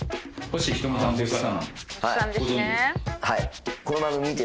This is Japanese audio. はい。